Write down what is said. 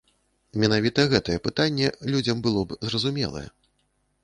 Менавіта гэтае пытанне людзям было б зразумелае.